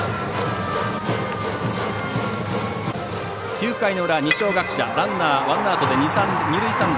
９回の裏、二松学舎ランナー、ワンアウトで二塁、三塁。